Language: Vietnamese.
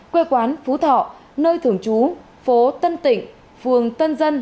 quê quán phú thọ nơi thường trú phố tân tịnh phường tân dân